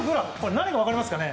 何か分かりますかね？